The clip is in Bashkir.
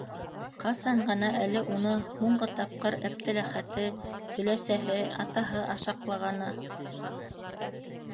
Ҡасан ғына әле уны һуңғы тапҡыр Әптеләхәте, өләсәһе, атаһы ашаҡлағаны...